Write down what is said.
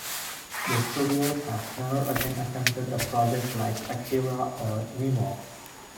The studios has never again attempted a project like "Akira" or "Nemo".